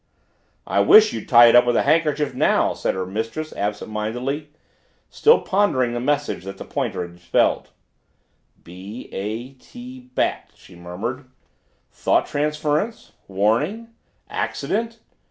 "I wish you'd tie it up with a handkerchief now," said her mistress absent mindedly, still pondering the message that the pointer had spelled. "B A T Bat!" she murmured. Thought transference warning accident?